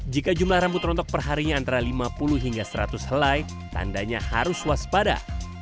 jika jumlah rambut rontok perharinya antara lima puluh hingga seratus helai tandanya harus waspada